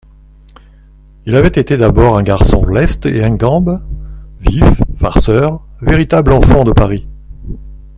Il avait été d'abord un garçon leste et ingambe, vif, farceur, véritable enfant de Paris.